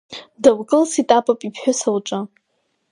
Дылкылсит апап иԥҳәыс лҿы.